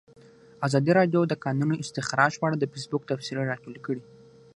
ازادي راډیو د د کانونو استخراج په اړه د فیسبوک تبصرې راټولې کړي.